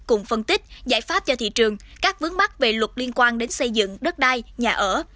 cùng phân tích giải pháp cho thị trường các vướng mắt về luật liên quan đến xây dựng đất đai nhà ở